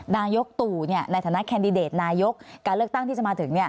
นายกตู่ในฐานะแคนดิเดตนายกการเลือกตั้งที่จะมาถึง